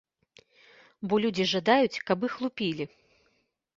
Бо людзі жадаюць, каб іх лупілі.